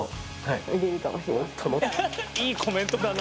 いいコメントだな。